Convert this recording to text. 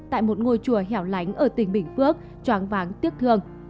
tại một ngôi chùa hẻo lánh ở tỉnh bình phước choáng váng tiếc thương